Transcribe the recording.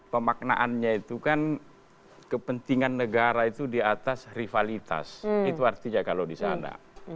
pemaknaannya itu kan kepentingan negara itu di atas rivalitas itu artinya kalau di sana